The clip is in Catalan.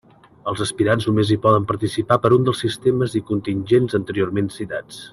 Els aspirants només hi poden participar per un dels sistemes i contingents anteriorment citats.